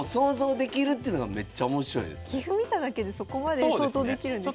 棋譜見ただけでそこまで想像できるんですね。